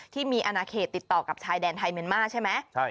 ที่มีอนาเขตติดต่อกับชายแดนไทยเมียนมาร์ใช่ไหม